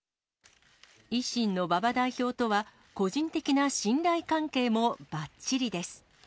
維新の馬場代表とは、個人的な信頼関係もばっちりです。